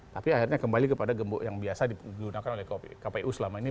tapi akhirnya kembali kepada gembok yang biasa digunakan oleh kpu selama ini